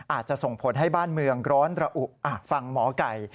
อาจจะส่งผลให้บ้านเมืองร้อนระอุฟังหมอไก่